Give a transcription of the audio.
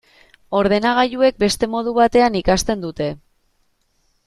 Ordenagailuek beste modu batean ikasten dute.